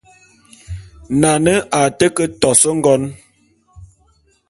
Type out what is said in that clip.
Nane a té ke tos ngon.